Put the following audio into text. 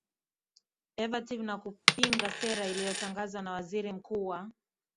ervative na kupinga sera iliyotangazwa na waziri mkuu wa